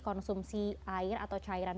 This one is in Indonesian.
konsumsi air atau cairan